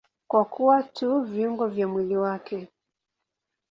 Kwa kuwa tu viungo vya mwili wake.